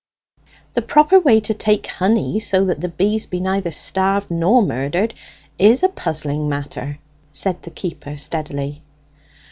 "The proper way to take honey, so that the bees be neither starved nor murdered, is a puzzling matter," said the keeper steadily.